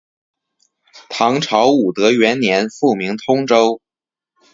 唐朝武德元年复名通州。